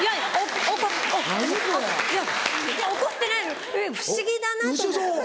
いや怒ってないの不思議だなと思ってた。